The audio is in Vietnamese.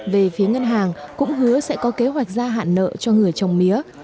về phía ngân hàng cũng hứa sẽ có kế hoạch gia hạn nợ cho người trồng mía